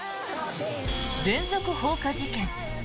連続放火事件。